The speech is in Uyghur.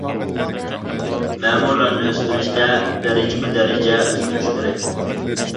مەمۇرلارنى ئۆستۈرۈشتە دەرىجىمۇ دەرىجە ئۆستۈرۈش كېرەك.